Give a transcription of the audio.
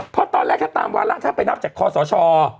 เพราะตอนแรกถ้าตามวาระถ้าไปนับจากคอสช